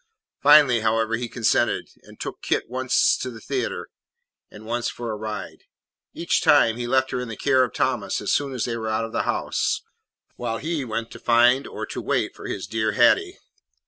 Finally, however, he consented, and took Kit once to the theatre and once for a ride. Each time he left her in the care of Thomas as soon as they were out of the house, while he went to find or to wait for his dear Hattie.